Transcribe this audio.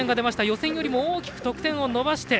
予選よりも大きく得点を伸ばしました。